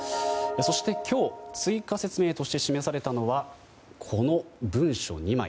そして今日、追加説明として示されたのはこの文書２枚。